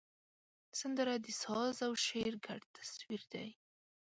سندره د ساز او شعر ګډ تصویر دی